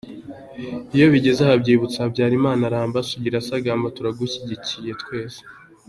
Iyo bigeze aha byibutsa: habyarimana ramba sugira sagambaga turagushyigikiyeeeee tweseeee.